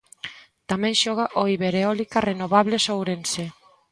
Tamén xoga o Ibereólica Renovables Ourense.